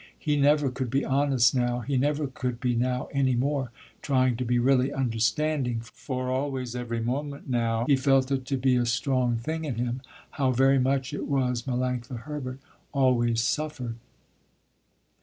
He never could be honest now, he never could be now, any more, trying to be really understanding, for always every moment now he felt it to be a strong thing in him, how very much it was Melanctha Herbert always suffered.